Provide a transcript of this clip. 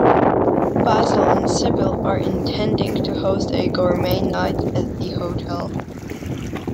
Basil and Sybil are intending to host a gourmet night at the hotel.